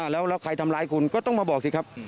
แล้วใครทำร้ายคุณก็ต้องมาบอกสิครับ